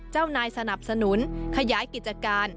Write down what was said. เจ้านายสนับสนุนขยายกิจการ